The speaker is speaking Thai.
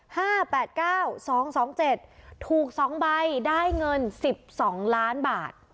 แปดเก้าสองสองเจ็ดถูกสองใบได้เงินสิบสองล้านบาท